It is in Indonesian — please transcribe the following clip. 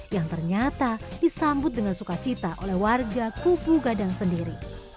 yang ternyata disambut dengan sukacita oleh warga kubu gadang sendiri